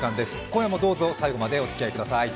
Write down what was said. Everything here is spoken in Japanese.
今夜もどうぞ最後までお付き合いください。